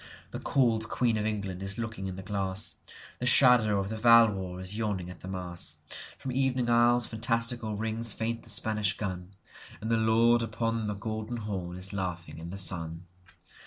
The cold queen of England is looking in the glass; The shadow of the Valois is yawning at the Mass; From evening isles fantastical rings faint the Spanish gun, And the Lord upon the Golden Horn is laughing in the sun.